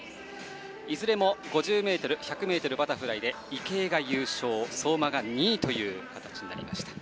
いずれも５０ｍ、１００ｍバタフライで池江が優勝相馬が２位という形になりました。